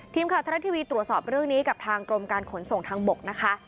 ทะละทีวีตรวจสอบเรื่องนี้กับทางกรมการขนส่งทางบกนะคะ